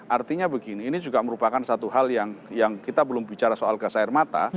artinya begini ini juga merupakan satu hal yang kita belum bicara soal gas air mata